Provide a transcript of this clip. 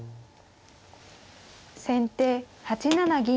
先手８七銀。